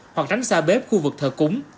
hoặc tránh xa bếp khu vực thờ cúng